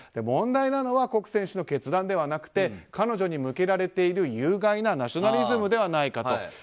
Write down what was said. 問題なのはコク選手の決断ではなくて彼女に向けられている有害なナショナリズムではないかと。